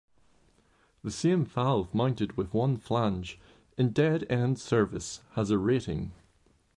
The same valve mounted with one flange, in dead end service, has a rating.